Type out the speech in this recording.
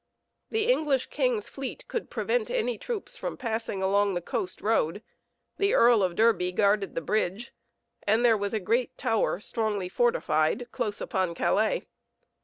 The English king's fleet could prevent any troops from passing along the coast road, the Earl of Derby guarded the bridge, and there was a great tower, strongly fortified, close upon Calais.